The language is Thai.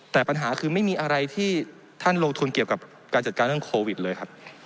แต่ปัญหาคือไม่มีอะไรที่ท่านลงทุนเกี่ยวกับการจัดการเรื่องโควิดเลยครับ